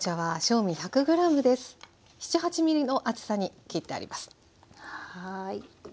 ７８ｍｍの厚さに切ってあります。